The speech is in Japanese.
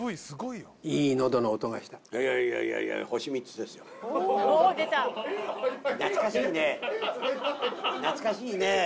すごいね。